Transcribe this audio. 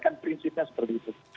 kan prinsipnya seperti itu